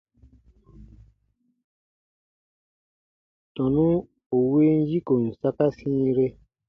Tɔnu ù win yikon saka sĩire.